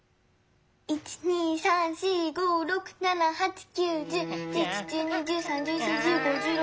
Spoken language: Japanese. １２３４５６７８９１０１１１２１３１４１５１６。